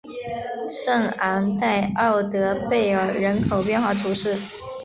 圣昂代奥德贝尔人口变化图示